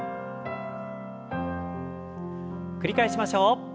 繰り返しましょう。